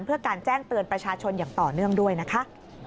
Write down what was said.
เพื่อการแจ้งเตือนประชาชนอย่างต่อเนื่องด้วยนะคะ